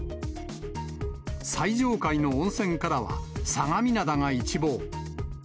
最上階の温泉からは相模灘が一望。